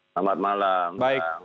selamat malam bang